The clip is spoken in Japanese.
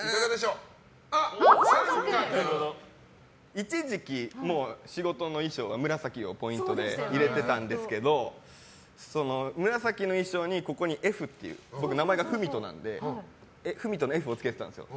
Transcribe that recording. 一時期仕事の衣装が紫をポイントに入れてたんですけど紫の衣装にここに、Ｆっていう名前が郁人なので郁人のＦをつけてたんですよ。